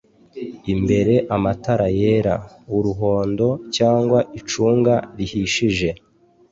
Imbere amatara yera, uruhondo cg icunga rihishije